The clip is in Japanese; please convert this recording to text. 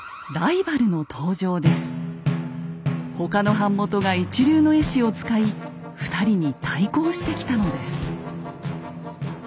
他の版元が一流の絵師を使い２人に対抗してきたのです。